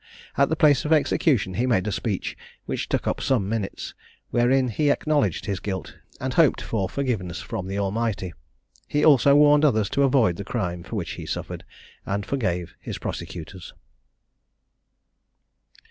At the place of execution he made a speech which took up some minutes; wherein he acknowledged his guilt, and hoped for forgiveness from the Almighty. He also warned others to avoid the crime for which he suffered, and forgave his prosecutors.